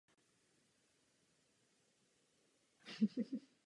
Říje končí v půlce října.